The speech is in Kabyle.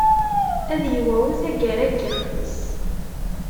Ad yewɛu taggara n yixf-is.